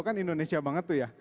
kan indonesia banget tuh ya